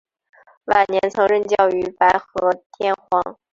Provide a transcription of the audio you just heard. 晚年曾任教于白河天皇。